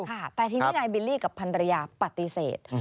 ค่ะแต่ทีนี้นายบิลลี่กับพันรยาปฏิเสธ